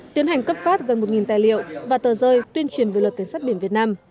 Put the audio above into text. tiến hành cấp phát gần một tài liệu và tờ rơi tuyên truyền về luật cảnh sát biển việt nam